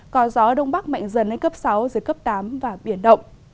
có gió đông bắc mạnh dần lên cấp sáu dưới cấp tám và biển động